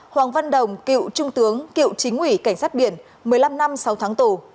hoàng văn đồng cựu trung tướng cựu chính ủy cảnh sát biển một mươi năm năm sáu tháng tù